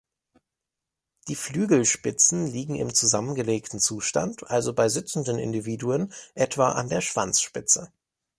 Die Flügelspitzen liegen im zusammengelegten Zustand, also bei sitzenden Individuen, etwa an der Schwanzspitze.